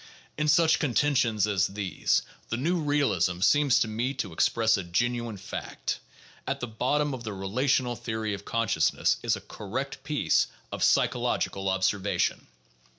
In such con tentions as these the new realism seems to me to express a genuine fact; at the bottom of the relational theory of consciousness is a correct piece of psychological observation.